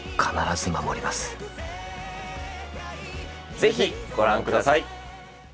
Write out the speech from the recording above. ぜひ、ご覧ください。